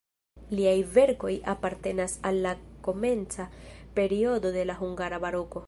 Liaj verkoj apartenas al la komenca periodo de la hungara baroko.